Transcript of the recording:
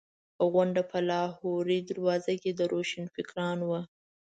غونډه په لاهوري دروازه کې د روشنفکرانو وه.